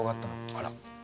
あら。